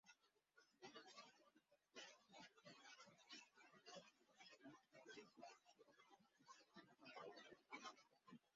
এটি প্রশাসন, শিক্ষা, বাণিজ্য, মহাকাশ, অর্থ, ফার্মাসিউটিক্যালস, প্রযুক্তি, নকশা, সংস্কৃতি, পর্যটন, সংগীত এবং কবিতার একটি গুরুত্বপূর্ণ কেন্দ্র হিসাবে অবিরত রয়েছে।